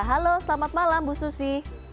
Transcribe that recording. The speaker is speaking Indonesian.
halo selamat malam bu susi